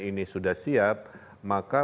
ini sudah siap maka